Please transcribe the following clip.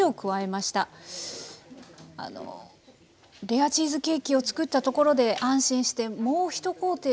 レアチーズケーキを作ったところで安心してもう一工程